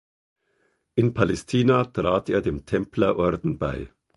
In Palästina trat er dem Templerorden bei.